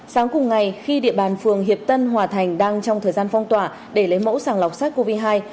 sáng cùng ngày khi địa bàn phường hiệp tân hòa thành đang trong thời gian phong tỏa để lấy mẫu sàng lọc sars cov hai